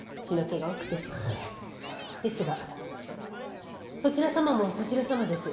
ですがそちら様もそちら様です。